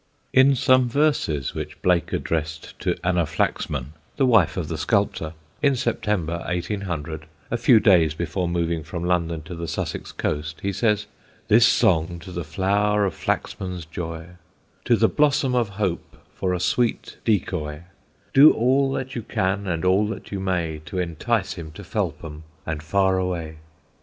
In some verses which Blake addressed to Anna Flaxman, the wife of the sculptor, in September, 1800, a few days before moving from London to the Sussex coast, he says: This song to the flower of Flaxman's joy; To the blossom of hope, for a sweet decoy; Do all that you can and all that you may To entice him to Felpham and far away.